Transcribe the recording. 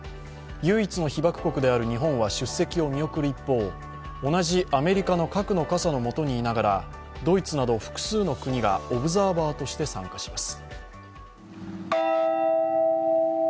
唯一の被爆国である日本は出席を見送る一方同じアメリカの核の傘のもとにいながらドイツなど複数の国がオブザーバーとして参加します。